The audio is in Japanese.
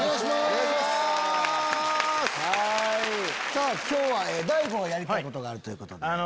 さぁ今日は大悟がやりたいことがあるということで。